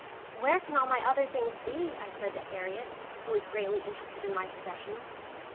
"Where can all my other things be?" I said to Harriet, who was greatly interested in my possessions.